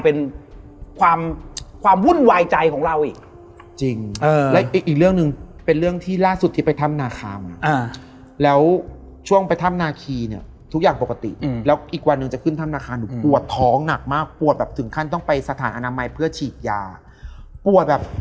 ปกติทั่วไปปกติสุขทั่วไปครับ